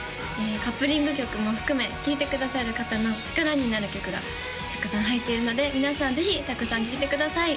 カップリング曲も含め聴いてくださる方の力になる曲がたくさん入っているので皆さんぜひたくさん聴いてください